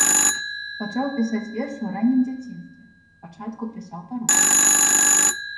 Пачаў пісаць вершы ў раннім дзяцінстве, спачатку пісаў па-руску.